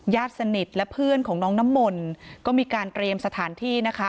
ญาติสนิทและเพื่อนของน้องน้ำมนต์ก็มีการเตรียมสถานที่นะคะ